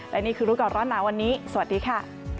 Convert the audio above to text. และนี่คือรู้ก่อนร้อนหนาวันนี้สวัสดีค่ะ